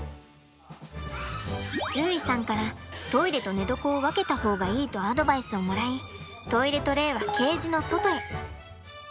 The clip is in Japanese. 獣医さんからトイレと寝床を分けた方がいいとアドバイスをもらいトイレトレーはケージの外へ。